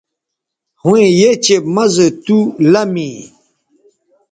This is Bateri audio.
ھویں یھ چہء مَزو تُو لمی